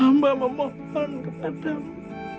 amba mohon kepadamu